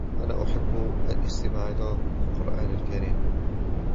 انا احب الاستماع الى القران الكريم